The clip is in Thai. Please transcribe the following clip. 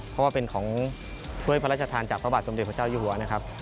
เพราะว่าเป็นของถ้วยพระราชทานจากพระบาทสมเด็จพระเจ้าอยู่หัวนะครับ